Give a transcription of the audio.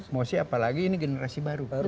emosi apalagi ini generasi baru